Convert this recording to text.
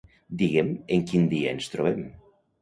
Digue'm en quin dia ens trobem.